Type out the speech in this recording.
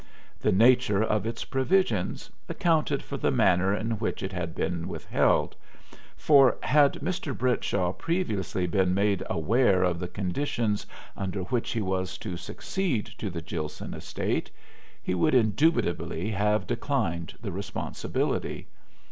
The nature of its provisions accounted for the manner in which it had been withheld, for had Mr. Brentshaw previously been made aware of the conditions under which he was to succeed to the Gilson estate he would indubitably have declined the responsibility.